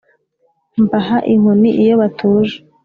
Mbaha " inkoni iyo batuje